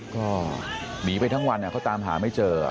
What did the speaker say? ก็หนีไปทั้งวันเขาตามหาไม่เจอ